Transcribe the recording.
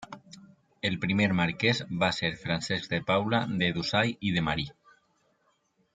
El primer marquès va ser Francesc de Paula de Dusai i de Marí.